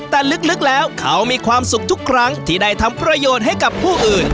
แต่ลึกแล้วเขามีความสุขทุกครั้งที่ได้ทำประโยชน์ให้กับผู้อื่น